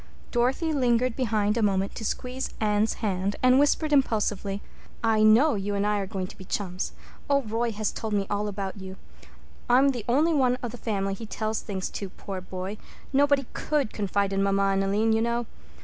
Dorothy lingered behind a moment to squeeze Anne's hand and whisper impulsively. "I know you and I are going to be chums. Oh, Roy has told me all about you. I'm the only one of the family he tells things to, poor boy—nobody could confide in mamma and Aline, you know.